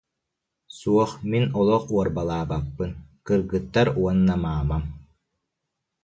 Суох, мин олох уорбалаабаппын, кыргыттар уонна маамам